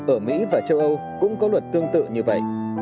ở mỹ và châu âu cũng có luật tương tự như vậy